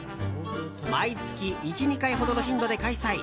毎月１２回ほどの頻度で開催。